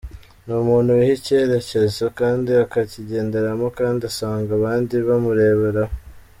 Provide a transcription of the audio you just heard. Ni umuntu wiha icyerekezo kandi akakigenderamo kandi usanga abandi bamureberaho.